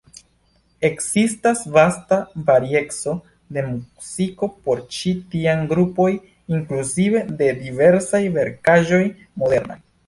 Ekzistas vasta varieco de muziko por ĉi tiaj grupoj, inkluzive de diversaj verkaĵoj modernaj.